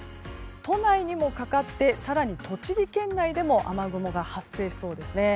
都内にもかかって更に栃木県内でも雨雲が発生しそうですね。